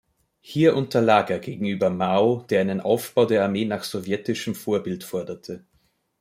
Hier unterlag er gegenüber Mao, der einen Aufbau der Armee nach sowjetischem Vorbild forderte.